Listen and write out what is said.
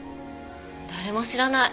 誰も知らない。